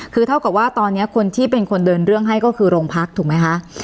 คือเท่ากับว่าตอนนี้คนที่เป็นคนเดินเรื่องให้ก็คือโรงพักถูกไหมคะ